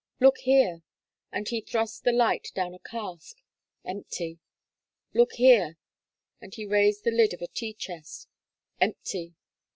Look here!" and he thrust the light down a cask, "empty! Look there!" and he raised the lid of a tea chest, "empty!